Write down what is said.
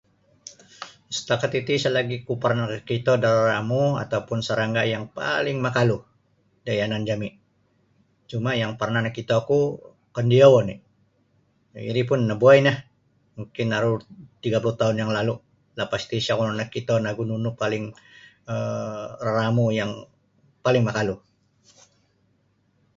Satakat titi isa' lagi' ku parnah nakakito da raramu atau pun sarangga' yang paaling makalu da yanan jami' cuma' yang parnah nakito ku kandiyou oni' iri pun nabuai nio mungkin aru tiga puluh taun yang lalu'. Lapas tiri isa ku nakito nogu nunu paling um raramu yang paling makalu.